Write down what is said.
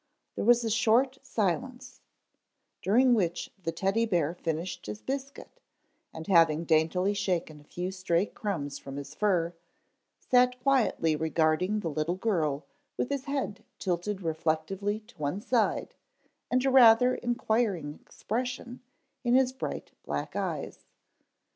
There was a short silence, during which the Teddy bear finished his biscuit and, having daintily shaken a few stray crumbs from his fur, sat quietly regarding the little girl with his head tilted reflectively to one side and a rather inquiring expression in his bright black eyes.